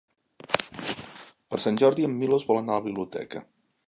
Per Sant Jordi en Milos vol anar a la biblioteca.